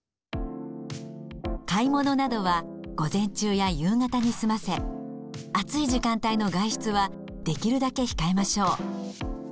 買い物などは午前中や夕方に済ませ暑い時間帯の外出はできるだけ控えましょう。